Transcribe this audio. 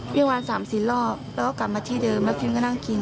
ประมาณ๓๔รอบแล้วก็กลับมาที่เดิมแล้วพิมก็นั่งกิน